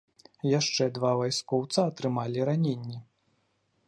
Яшчэ два вайскоўца атрымалі раненні.